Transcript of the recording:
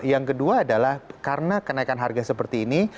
yang kedua adalah karena kenaikan harga seperti ini